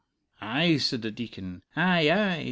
'" "Ay," said the Deacon. "Ay, ay!